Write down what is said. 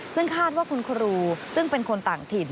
ซึ่งคาดว่าคุณครูซึ่งเป็นคนต่างถิ่น